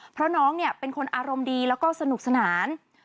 เพราะน้องเป็นคนอารมณ์ดีและสนุกสนาน